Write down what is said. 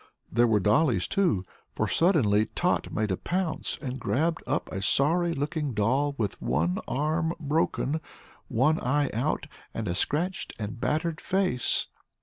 There were dollies, too, for suddenly Tot made a pounce and grabbed up a sorry looking doll with one arm broken, one eye out and a scratched and battered face.